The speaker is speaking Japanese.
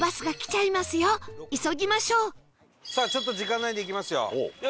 ちょっと時間ないんで行きますよ。